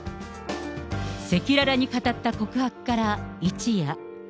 赤裸々に語った告白から一夜。